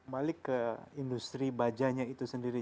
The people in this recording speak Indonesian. balik ke industri bajanya itu sendiri